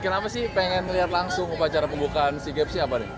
kenapa sih ingin melihat langsung upacara pembukaan sea games ini